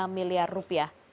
satu tiga miliar rupiah